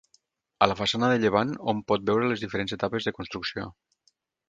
A la façana de llevant hom pot veure les diferents etapes de construcció.